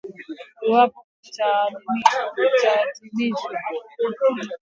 Wanyama walioathirika wanaweza kufa iwapo hawatatibiwa